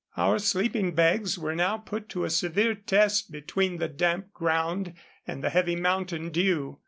Our sleeping bags were now put to a severe test between the damp ground and the heavy mountain dew.